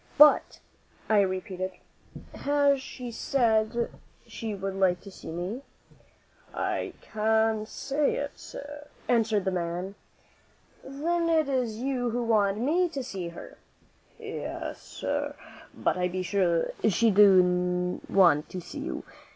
"But," I repeated, "has she said she would like to see me?" "I can't say it, sir," answered the man. "Then it is you who want me to see her?" "Yes, sir; but I be sure she do want to see you.